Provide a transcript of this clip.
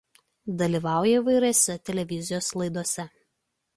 Dalyvauja įvairiose televizijos laidose.